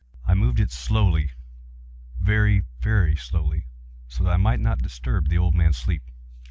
I moved it slowly—very, very slowly, so that I might not disturb the old man's sleep.